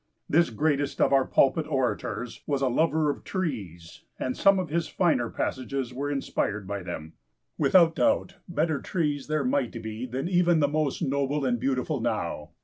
This greatest of our pulpit orators was a lover of trees, and some of his finer passages were inspired by them. Without doubt, better trees there might be than even the most noble and beautiful now.